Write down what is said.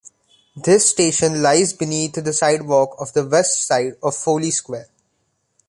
This station lies beneath the sidewalk on the west side of Foley Square.